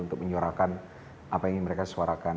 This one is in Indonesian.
untuk menyorakan apa yang mereka suarakan